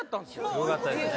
すごかったですね